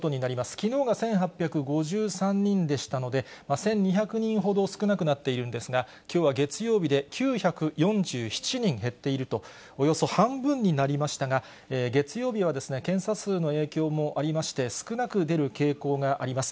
きのうが１８５３人でしたので、１２００人ほど少なくなっているんですが、きょうは月曜日で９４７人減っていると、およそ半分になりましたが、月曜日は検査数の影響もありまして、少なく出る傾向があります。